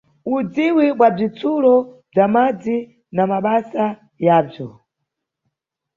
Udziwi bwa bzitsulo bza madzi na mabasa yabzo.